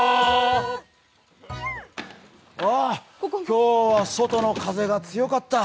今日は外の風が強かった。